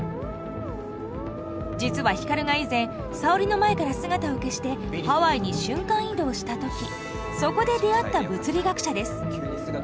実は光が以前沙織の前から姿を消してハワイに瞬間移動した時そこで出会った物理学者です。